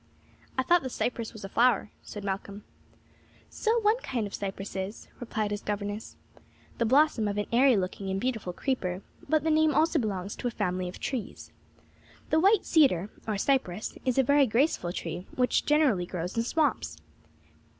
"I thought the cypress was a flower," said Malcolm. "So one kind of cypress is," replied his governess "the blossom of an airy looking and beautiful creeper; but the name also belongs to a family of trees. The white cedar, or cypress, is a very graceful tree which generally grows in swamps.